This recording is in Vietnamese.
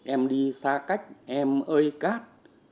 em đi xa cách em ơi cát